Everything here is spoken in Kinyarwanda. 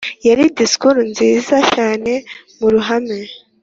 yari disikuru nziza cyane muruhame